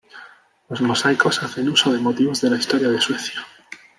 Los mosaicos hacen uso de motivos de la historia de Suecia.